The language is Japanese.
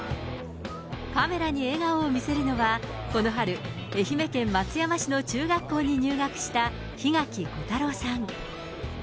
カメラに笑顔を見せるのは、この春、愛媛県松山市の中学校に入学した檜垣虎太郎さん。